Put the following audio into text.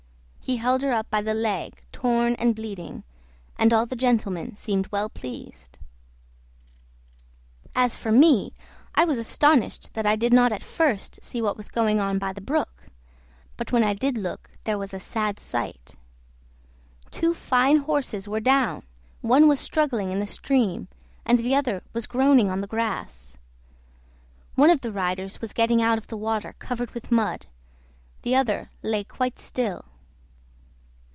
He held her up by the leg torn and bleeding, and all the gentlemen seemed well pleased. As for me, I was so astonished that I did not at first see what was going on by the brook; but when I did look there was a sad sight; two fine horses were down, one was struggling in the stream, and the other was groaning on the grass. One of the riders was getting out of the water covered with mud, the other lay quite still.